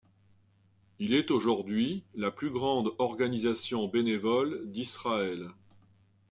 Il est aujourd’hui la plus grande organisation bénévole d’Israël.